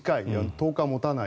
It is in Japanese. １０日持たない。